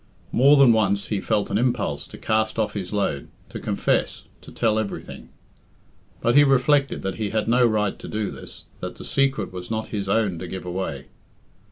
More than once he felt an impulse to cast off his load, to confess, to tell everything. But he reflected that he had no right to do this that the secret was not his own to give away.